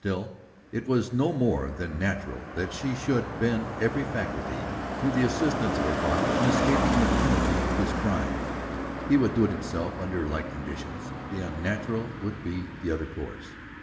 Still, it was no more than natural that she should bend every faculty to the assistance of her father in escaping the penalty of his crimes. He would do it himself under like conditions; the unnatural would be the other course.